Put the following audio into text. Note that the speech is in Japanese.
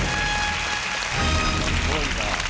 すごいな。